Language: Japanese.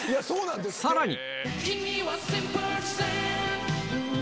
さらに